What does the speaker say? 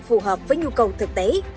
phù hợp với nhu cầu thực tế